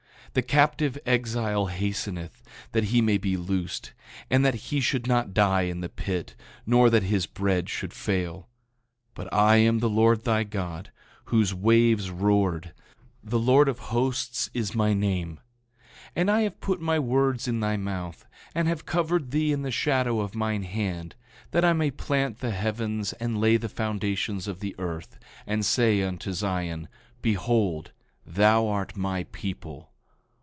8:14 The captive exile hasteneth, that he may be loosed, and that he should not die in the pit, nor that his bread should fail. 8:15 But I am the Lord thy God, whose waves roared; the Lord of Hosts is my name. 8:16 And I have put my words in thy mouth, and have covered thee in the shadow of mine hand, that I may plant the heavens and lay the foundations of the earth, and say unto Zion: Behold, thou art my people.